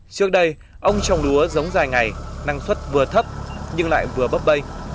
trước đây ông trồng lúa giống dài ngày năng suất vừa thấp nhưng lại vừa bấp bay